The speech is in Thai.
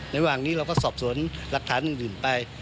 ระหว่างนี้เราก็สอบสวนหลักฐานอื่นไป